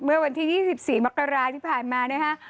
เมื่อวันที่๒๔มกราที่ผ่านมานะฮะ